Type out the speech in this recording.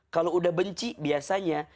kalau sudah benci biasanya